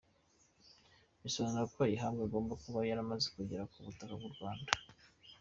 Bisobanuye ko uyihabwa agomba kuba yamaze kugera ku butaka bw’u Rwanda !